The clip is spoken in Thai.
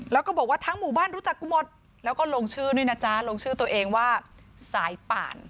แล้วก็บอกว่าทั้งหมู่บ้านรู้จักกูหมดแล้วก็ลงชื่อด้วยนะจ๊ะลงชื่อตัวเองว่าสายป่าน